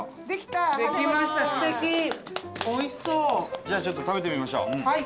じゃあちょっと食べてみましょう。